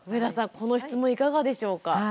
この質問いかがでしょうか？